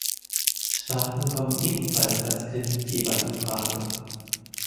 Staaten kommen ebenfalls als Kreditgeber in Frage.